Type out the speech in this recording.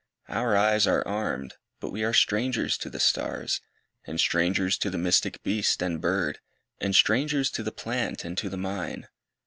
Our eyes Are armed, but we are strangers to the stars, And strangers to the mystic beast and bird, And strangers to the plant and to the mine.